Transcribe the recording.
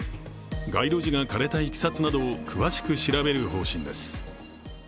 街路樹が枯れたいきさつなどを詳しく調べる方針です。